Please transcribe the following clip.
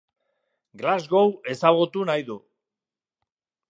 Glasgow ezagutu nahi du.